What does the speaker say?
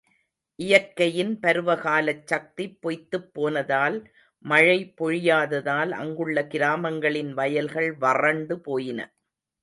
இயற்கையின் பருவகாலச் சக்தி பொய்த்துப் போனதால், மழை பொழியாததால் அங்குள்ள கிராமங்களின் வயல்கள் வறண்டு போயின.